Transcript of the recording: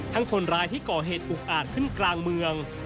คนร้ายที่ก่อเหตุอุกอาจขึ้นกลางเมือง